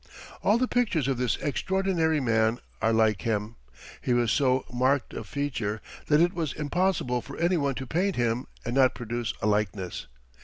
All the pictures of this extraordinary man are like him. He was so marked of feature that it was impossible for any one to paint him and not produce a likeness.